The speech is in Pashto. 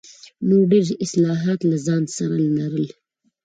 نور ډېر اصلاحات له ځان سره لرل.